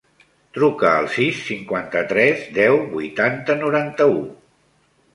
Truca al sis, cinquanta-tres, deu, vuitanta, noranta-u.